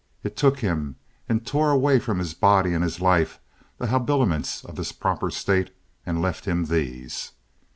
It took him and tore away from his body and his life the habiliments of his proper state and left him these.